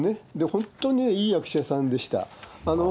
本当にいい役者さんでした。